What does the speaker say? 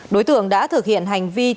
đối tượng đã thực hiện hành vi chăm sóc